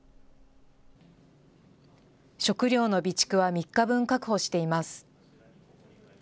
食料の備蓄は３日分確保しています。